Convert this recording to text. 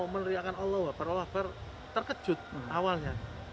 meneriakan allah wabar wabar terkejut awalnya